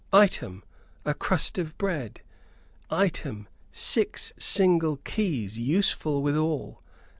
Item, a crust of bread. Item, six single keys, useful withal.